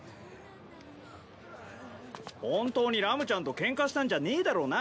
本当にラムちゃんとケンカしたんじゃねえだろうな。